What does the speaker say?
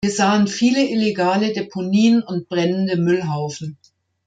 Wir sahen viele illegale Deponien und brennende Müllhaufen.